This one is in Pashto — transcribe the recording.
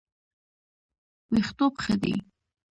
ویښتوب ښه دی.